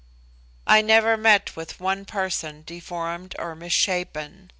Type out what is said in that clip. I never met with one person deformed or misshapen.